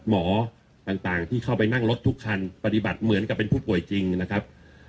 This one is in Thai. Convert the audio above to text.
หมอต่างที่เข้าไปนั่งรถทุกคันปฏิบัติเหมือนกับเป็นผู้ป่วยจริงนะครับ